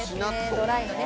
ドライのね